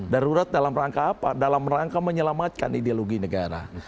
darurat dalam rangka apa dalam rangka menyelamatkan ideologi negara